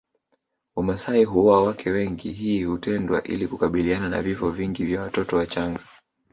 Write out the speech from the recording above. Wamasai huoa wake wengi hii hutendwa ili kukabiliana na vifo vingi vya watoto wachanga